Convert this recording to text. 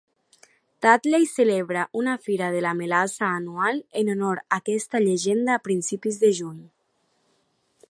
Tadley celebra una "Fira de la melassa" anual en honor a aquesta llegenda a principis de juny.